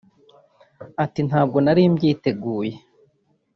Ati “Ntabwo nari mbyiteguye